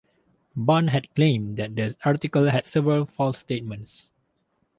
Bond had claimed that the article had several false statements.